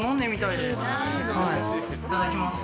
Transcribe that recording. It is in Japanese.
いただきます。